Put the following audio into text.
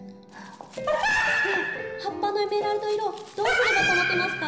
ねえ葉っぱのエメラルド色どうすれば保てますか？